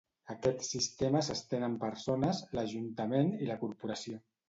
Aquest sistema s'estén amb persones, l'ajuntament, i la corporació.